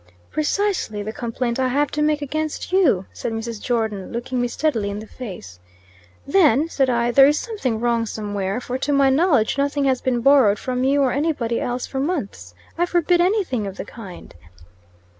"Precisely the complaint I have to make against you," said Mrs. Jordon, looking me steadily in the face. "Then," said I "there is something wrong somewhere, for to my knowledge nothing has been borrowed from you or any body else for months. I forbid anything of the kind."